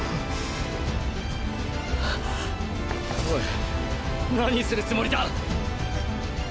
オイ何するつもりだ？